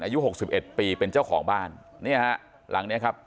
หกสิบเอ็ดปีเป็นเจ้าของบ้านเนี่ยฮะหลังเนี้ยครับ